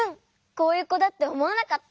こういうこだっておもわなかった！